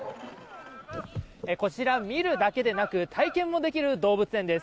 こちら、見るだけでなく体験もできる動物園です。